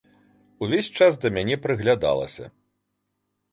Увесь час да мяне прыглядалася.